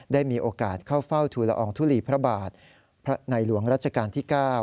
ได้มีโอกาสเข้าเฝ้าทุลอองทุลีพระบาทในหลวงรัชกาลที่๙